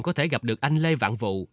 có thể gặp được anh lê vạn vụ